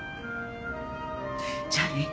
じゃあね。